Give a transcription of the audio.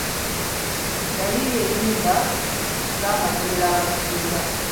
Yayiiya ennyimba z'amasomero agasinga.